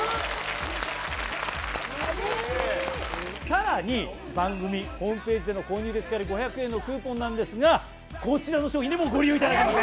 さらに番組ホームページでの購入で使える５００円のクーポンなんですがこちらの商品にもご利用いただけます。